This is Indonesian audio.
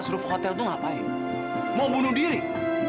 kau lihat aku gagal sama si ruf